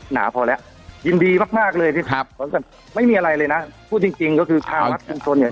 หนาพอแล้วยินดีมากมากเลยที่ครับบริษัทไม่มีอะไรเลยนะพูดจริงจริงก็คือทางรัฐชุมชนเนี่ย